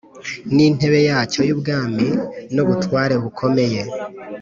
N intebe yacyo y ubwami n ubutware i bukomeye